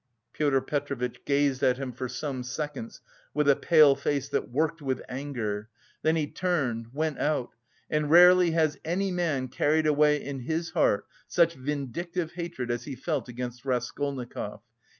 Pyotr Petrovitch gazed at him for some seconds with a pale face that worked with anger, then he turned, went out, and rarely has any man carried away in his heart such vindictive hatred as he felt against Raskolnikov.